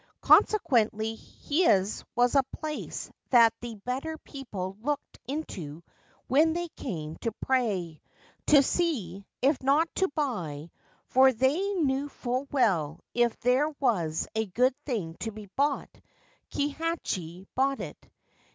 Consequently, his was a place that the better people looked into when they came to pray — to see, if not to buy ;— for they knew full well if there was a good thing to be bought, Kihachi bought it.